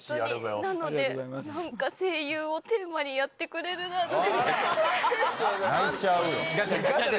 なので、なんか声優をテーマにやってくれるなんて。